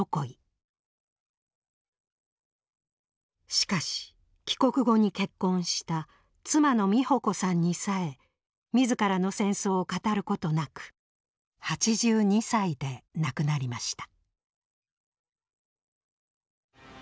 しかし帰国後に結婚した妻の美保子さんにさえ自らの戦争を語ることなく８２歳で亡くなりました。